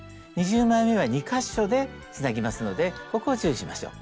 ２０枚めは２か所でつなぎますのでここを注意しましょう。